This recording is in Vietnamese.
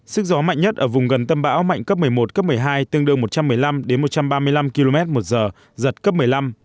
sức gió mạnh nhất ở vùng gần tâm bão mạnh cấp một mươi một cấp một mươi hai tương đương một trăm một mươi năm một trăm ba mươi năm km một giờ giật cấp một mươi năm